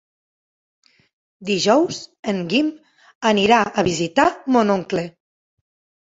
Dijous en Guim anirà a visitar mon oncle.